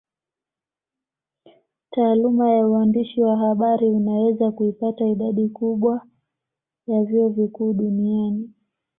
Taaluma ya uandishi wa habari unaweza kuipata idadi kubwa ya vyuo vikuu duniani